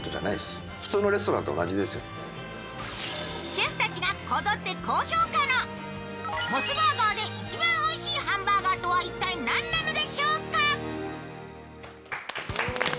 シェフたちがこぞって高評価のモスバーガーで一番おいしいハンバーガーとは何でしょうか？